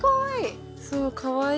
そうかわいい。